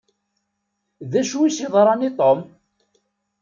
D acu i s-yeḍṛan i Tom?